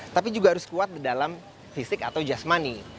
tapi juga harus kuat dalam fisik atau just money